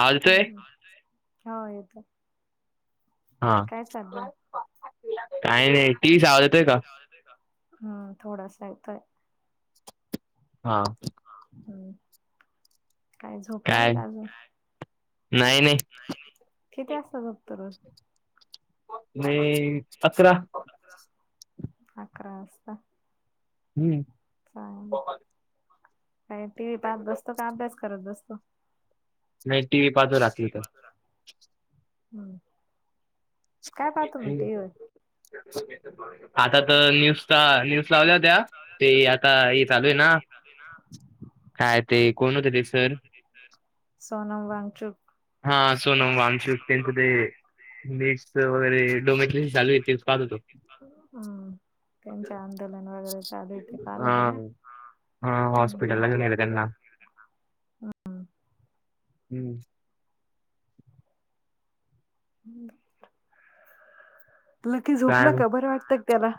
आवाज येतोय? हम् हो येतो. हा काय चाललंय काही नाही तीसवाज येतोय का. हम्म थोडासा येतोय. हा. ह काय झोपलं नाही काय? का अजून. नाही नाही. किती असताततर. नाही अचरा. अकरा वाजता. हम्म ब. का टी व्ही पाहत बसतो का अभ्यास करत बसतो. नाही टी व प. हम्. थँू. आता तर नुसता लिफ्ट लावल्या होत्या ते आता हे चालू आहे ना. ये ना. काय ते कोण होते ते सर? सोनम वांगचुक. हा सोनम वांगचूक त्यानच ते, नीट च वगैरे. डोमेट्री चालू हाय तेच पाहत होतो. हम्म त्यांचे आंदोलन वगैरे चालू ते पाहत हा होता का. हा हॉस्पिटलला नेल त्यांना, हम्म. हम्म. लकी काय झोपलाका बर वाटतं का त्याला?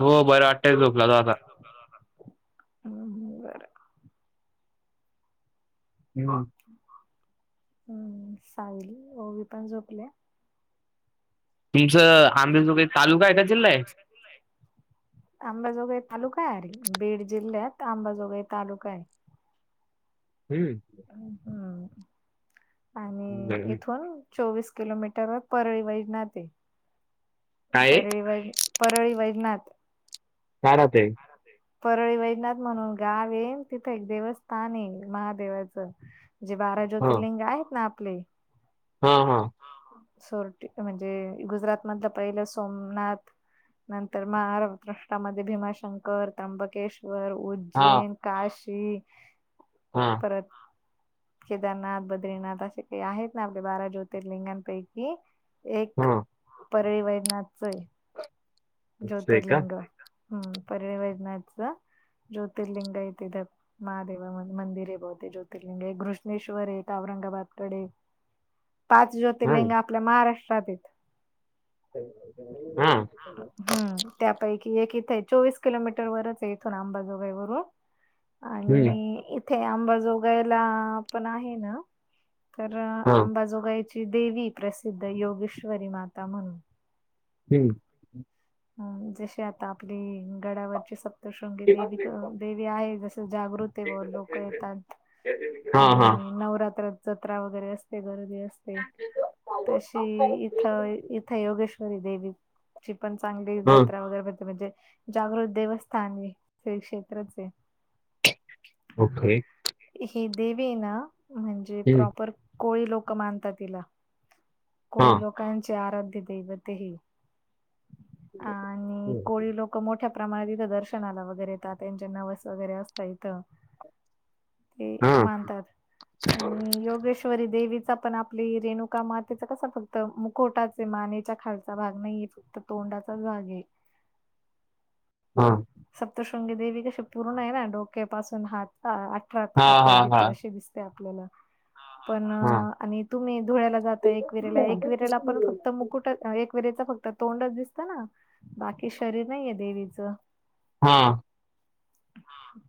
हो बरं वाटतंय झोपला तो आता. हम्म बरं हम्म. हम्म सायली, ओवी पण झोपलिये. तुमचं आंबेजोगई तालुका आहे का जिल्हा आहे? अंबाजोगाई तालुका अरे बीड जिल्ह्यात अंबाजोगाई तालुका आहे. हम्म. हम्, आणि हम्म. इथून चोवीस किलोमीटरवर परळी वैधनाथ ये. काय आहे? परळी वै, परळी वैधनाथ. का राहते? राहते. परळी वैधनाथ म्हणून गाव ये तिथं एक देवस्थान ये महादेवाचं. जे बारा हा. ज्योतिर्लिंग आहेत ना आपले. हा हा. हा हा, सोरटी म्हणजे गुजरात मधलं पहिलं सोमनाथ. नंतर माराष्ट्रामध्ये भीमाश शंकर, त्र्यंबकेश्वर, हा उज्जैन, काशी. हा. परत केदारनाथ, बद्रीनाथ असे काही आहेत ना आपल्या बारा ज्योतिर्लिंगांपैकी. एक, हा. परळीवैधनाथच ये. असं आहे का? ज्योतिर्लिंग, हम्म परळी वैधनाथच, ज्योतिर्लिंगया तीथ. महादेवा मंदिर आहे बहुते ज्योतिर्लिंग एक घृष्णेश्वर आहे एक औरंगाबादकड पाच हा. ज्योतिर्लिंग आपल्या महाराष्ट्रात हायत. हा. हम् त्यापैकी एक इथं हाय चोवीस किलोमीटर वरच आहे इथून आंबाजोगाई वरून. हम्म. आणि इथे आंबा जोगायला पण आहे न. तर हा. अंबाजोगाईची देवी प्रसिद्ध योगेश्वरी माता म्हणून. हम्म. अ जशी आता आपली गडावरची सप्तशृंगी देवीक दे वी आहे जस जागृत वो लोक येतात, हा आणि हा. नवरात्रात जत्रा वगैरे असते [unintelligible] गर्दी असते, तशी इथ इथ योगेश्वरी देवीची पण [unintelligible] हा. जत्रा वगैरे भरते म्हणजे जागृत देवस्थान आहे श्री क्षेत्रचे आहे. ओके. ही देवी ना म्हणजे हम्म. प्रॉपर कोळी लोकं मानतात हिला. हा. कोळी लोकांचे आराध्य दैवतेही अ आणि कोळी लोकं मोठ्या प्रमाणात इथं दर्शनाला वगैरे येतात त्यांचे नवस वगैरे असतात इथं. [inaudible] ते हा. मानतात आणि योगेश्वरी देवीचा पण आपली रेणुका मा तेचा कसा फक्त मुकोटा च आहे मानेच्या खालचा भाग नाहीय फक्त तोंडाचाच भाग आहे. [inaudible] हा. सप्तशृंगी देवी कशी पूर्ण आहे ना डोक्यापासून हात आ हा हात हा हा. भित अशी दिसते आपल्याला पण हा. आणि तुम्ही धुळ्याला जात एक वीरेला एकवीरेला पण फक्त मुकूट अ एकवीरेच फक्त तोंडच दिसतं ना बाकी शरीर नाहीये देवीचं. हा.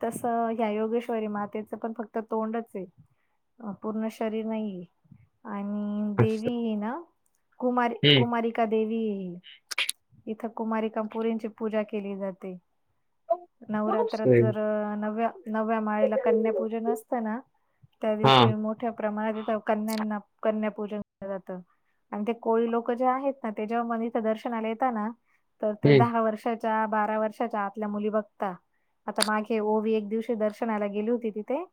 तस ह्या योगेश्वरी मातेचं पण फक्त तोंडच ये. अ पूर्ण शरीर नाहीये. आणि असं. देवीये ना कुमारी हम्म. कुमारी का देवीये ही इथं कुमारीका पोरींची पूजा केली जाते. असं नवरात्रात आहे. जर नव्या नव्या माळेला कन्यापूजन नसतं ना त्या हा. दिवशी मो ठ्या प्रमाणात इथ कन्यांना कन्या पूजन केलं जातं. आणि ते कोळी लोक जे आहेत ना ते जेव्हा म इथं दर्शनाला येताना तर ते हम्म. दहा वर्षाच्या बारा वर्षाच्या आतल्या मुली बघता आता मागे ओवी एक दिवशी दर्शनाला गेली होती तिथे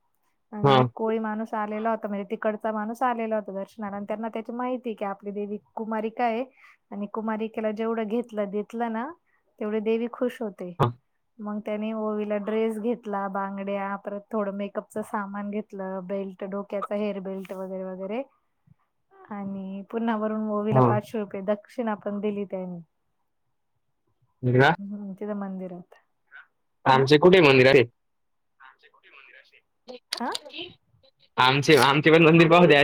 हा. आणि एक कोळी माणूस आलेला होत म्हणजे तिकडचा माणूस आलेला होता दर्शनाला आणि त्यांना त्याची माहिती की आपली देवी कुमारी का आहे. आणि कुमारिकेला जेवढं घेतलं देतलं ना तेवढी देवी खुश होते हा. मग त्यानी ओवी ला ड्रेस घेतला बांगड्या परत थोड मेकअपच सामान घेतलं बेल्ट डोक्याचा हेअर बेल्ट वगैरे वगैरे आणि पुन्हा वरून ओवीला हा. पाचशे रुपये दक्षिणा पण दिली त्यानी. [unintelligible] हम् तिथं मंदिरात. आमचे कुठे मंदिर [unintelligible] आमचे कुठे मंदिर अशे? आमचे आमचे पण मंदिर पाहुद्या.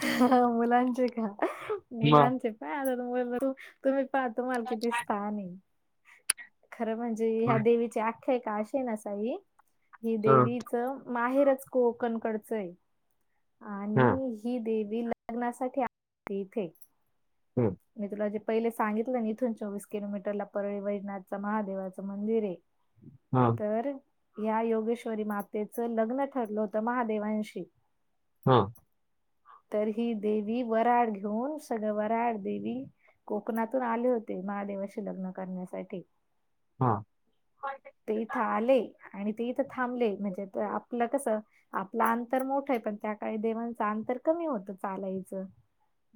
मुलांचे का मग मुलांचे. नाही आता तुम्ही तर मालकीचे स्थान आहे खरं म्हणजे ज ह्या देवीची आख्यायिका अशी ये ना साई हि देवीच माहेरच कोकण कडचं आहे. आणि ही देवी लग्नासाठी आलेली इथे. हम. मी तुला जे पहिले सांगितलं ना इथून चोवीस किलोमीटरला परळी वैद्यनाथ चं महादेवाचं मंदिर आहे. हम् हा. तर या योगेश्वरी मातेचं लग्न ठरलं होतं महादेवांशी. हां. तर ही देवी व्हराड घेऊन, सगळं व्हराड देवी कोकणातून आले होते, महादेवाशी लग्न करण्यासाठी. हा. ते इथं आले आणि ते इथं थांबले, म्हणजे आपलं कस आपलं अंतर मोठंय पण त्या काळी देवांचं अंतर कमी होत चालायचं.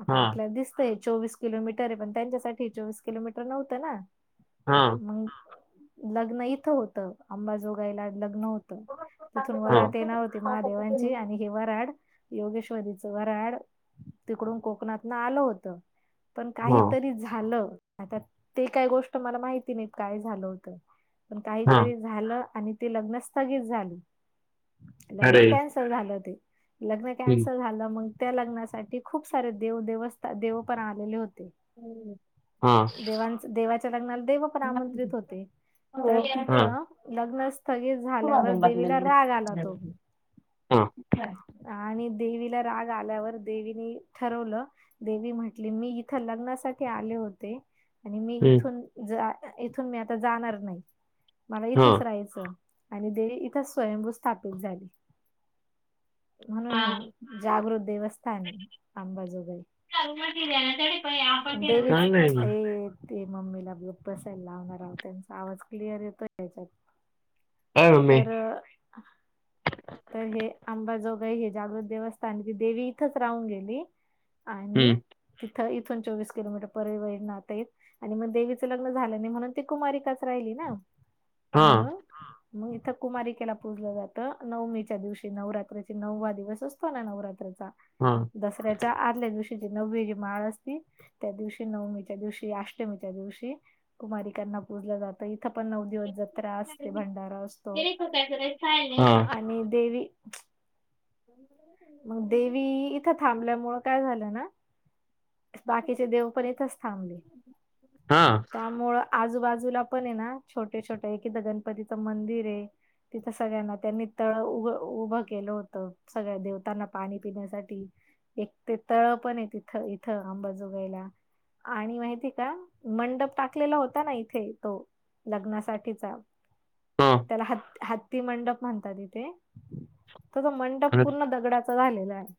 आता आपल्याला दिसतय हे चोवीस किलोमीटर ये पण त्यांच्यासाठी चोवीस किलोमीटर नव्हतं ना. हां. मंग, लग्न इथं होत, आंबाजोगाईला लग्न हो त, तिथून हा हा वरात येणार ती महादेवांची आणि हे वराड, योगेश्वरीच वराड तिकडून कोकणातन आलं होत. पण हा काहीतरी झालं, आता ते काय गोष्ट मला माहिती नाहीत काय झालं होतं. पण हा काहीतरी झालं आणि ते लग्न स्थगित झाली, लग्न अरे कॅन्स ल् झालं ते, लग्न कॅन्सल झालं मग त्या लग्नासाठी खूप सारे देव-देवस्थ-देव पण आलेले होते. हा देवांचं देवाच्या लग्नाला देव पण आमंत्रित होते. तर हा तिथं लग्न स्थगित झाल्यावर देवीला राग आला तो. हा आणि देवीला राग आल्यावर, देवीनी ठरवलं देवी म्हटली मी इथं लग्नासाठी आले होते. आणि मी इथून ज इथून मी आता जाणार नाही. मला हा इथंच राहायचं आणि देवी इथंच स्वयंभू स्थापित झाली. म्हणून हे जागृत देवस्थान ये अंबाजोगई. आपण [unintelligible] ए ते मम्मीला गप बसायला लावणा राव, त्यांचा आवाज क्लिअर येतोय याच्यात. अय मम्मी तर तर हे आंबाजोगाही हे जागृत देवस्थान ये ती देवी इथच राहून गेली. आणि हम्म तिथं इथून चोवीस किलोमीटर परईवरईनाथ येत. आणि मग देवीचं लग्न झालं नाही म्हणून ती कुमारीकाच राहिली ना. हा म्हणून मग इथं कुमारिकेला पूजलं जातं नवमीच्या दिवशी नवरात्रीची नववा दिवस असतो ना, नवरात्रीचा? हं. दसऱ्याच्या आदल्या दिवशी, जी नववी जी माळ असती. त्या दिवशी, नवमीच्या दिवशी, अष्टमीच्या दिवशी कुमारीकांना पूजल जात. त इथं पण नऊ दिवस जत्रा असते, भंडारा असतो. कायक [unintelligible] आणि देवी हो [inaudible] मग देवी इथं थांबल्यामुंळ काय झालं ना? बाकीचे देव पण इथच थांबले, हा हा का मुळं आजूबाजूला पने ना छोटे-छोटे एक इथं गणपतीचं मंदिर ये. तिथं सगळ्यांना त्यांनी तळ उभ-उभं केलं होतं. सगळ्या देवतांना पाणी पिण्यासाठी, एक ते तळ पण ये तिथं. इथ आंबा जोगाईला. आणि माहिती का मंडप टाकलेला होता ना, इथे तो लग्नासाठीचा हम् त्याला हती हत्ती मंडप म्हणतात इथे तो जो मंडप पूर्ण दगडाचा त झालेलं आहे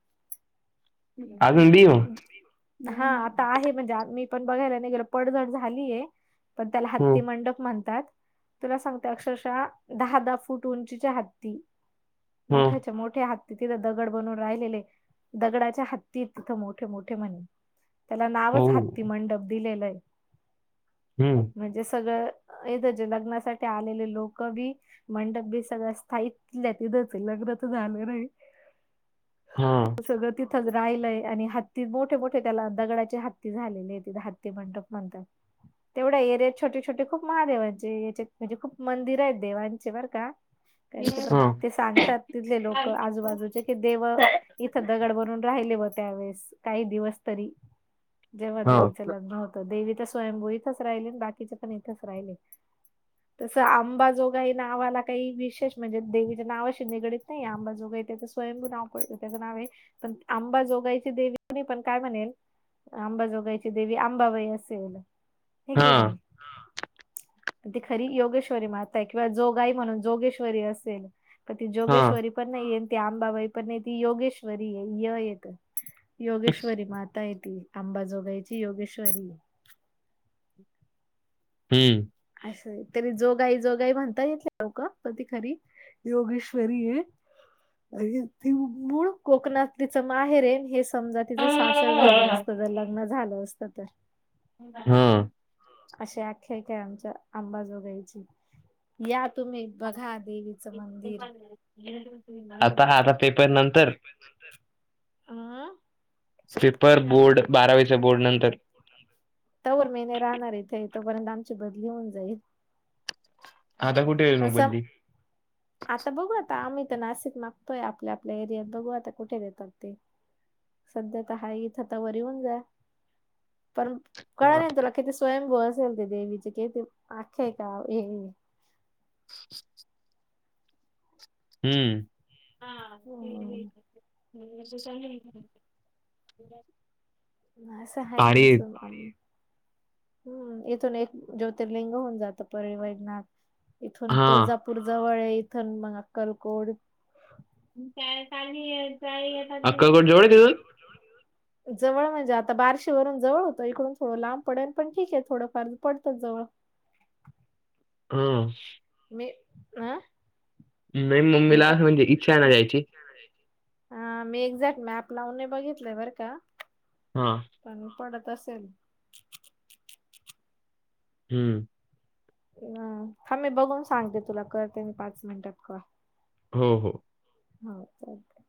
अजुन बी [unintelligible] हा आता आहे म्हणजे मी पण बघायला नाही गेलो पडझड झालीय पण त्याला हो हत्ती मंडप म्हणतात तुला सांगते अक्षरशः दहा, दहा फूट उंचीचे हत्ती मोठ्याच्या मोठ्या हत्त तिथ दगड बनून राहिलेले दगडाच्या हत्तीत तिथं मोठे, मोठे म्हणे त्याला हो नावच हत्ती मंडप दिलेलंय हम्म म्हणजे सगळं येत जे लग्नासाठी आलेले लोक बी मंडप बी सगळ्या स्थायी इतल्या तिथंच लग्न तर झालं नाही हा सगळं तिथंच राहिलंय आणि हत्ती मोठे, मो त्याला दगडाची हत्ती झालेली आहे तिथ त्याला हत्ती मंडप म्हणतात तेवढ्या एरियात छोटे, छोटे खूप महादेवांचे याचेत म्हणजे खूप मंदिर आहेत देवांचे बर का कारण की प्र हा ते सांगतात तिथले लोक आजू, बाजूचे की देव इथं दगड बनुन राहिले व त्यावेेळेस काही दिवस तरी जेव्हा हा देवीच लग्न होत तर देवी तर स्वयंभू इथच राहिली आणि बाकीचे पण इथच राहिले तसं आंबाजोगाई नावाला काही विशेष म्हणजे देवीच्या नावाशी निगडत नाही आंबाजोगाई ते [unintelligible] स्वयंभू नाव त्याच नाव आहे पण आंबाजोगायची देवी पण काय म्हणेल आंबाजोगायची देवी आंबाबाई असेल हे के हा नाही हम्म ती खरी योगेश्वरी माता आहे किंवा जोगाई म्हणून जोगेश्वरी असेल कती हा जोगेश्वरी पण नाही ते आंबाबाई पण नाही ती योगेश्वरी आहे य येत योगेश श्वरी माता य ती आंबाजोगाईची योगेश्वरी हम्म असं तरी जोगाई, जोगाई म्हणता येत लोक पण ती खरी योगेश्वरी ये मूळ कोकणात तिच माहेर हे समजा तिचं सासर झालं असत तर लग्न झालं असतं तर हम्म अशी आख्यायिका आहे आमच्या आंबाजोगाईची या तुम्ही बघा देवीचं मंदिर आता ह आता पेपर कसा झाला नंतर पेपर नंतर स्लीपर बोर्ड बारावीच्या बोर्ड नंतर तवर महिने राहणार इथे तोपर्यंत आमची बदली होऊन जाईल आता कुठे म तसं बदली आता बघू आता आम्ही तर नाशिक मागतोय आपल्या आपल्या एरियात बघू आता कुठे देतात ते सध्या तर हा इथंता व येऊन जा पण कळलं हा. नाही तुला किती स स्वयंभू असेल ते देवीचे क ते आख्यायिका हे ए हम्म हम्म [unintelligible] असं हाय भारी आहे. आमचं आणि हम्म इथून एक ज्योतिर्लिंग होऊन जातं परळी वैजनाथ इथून हा तुळजा तूर जवळ हाय इथुन मग अक्कलकोड अक्काकोट जवळ आहे तिथून? [unintelligible] जवळ म्हणजे आता बारशीवररून जवळ होतं इकडून थोडं लांब पडेल पण ठीक आहे थोडफार पडतं जवळ. हम. मी अं? नाही मम्मीला अस म्हणजे इच्छा नाही याची अ मी एक्झॅक्ट मॅप लावून बघितलंय बर का. हां. कमी पडत असेल. हम्. ह थांब मी बघून सांगते तुला करते मी पाच मिनिटात कॉल. हो हो. [inaudible]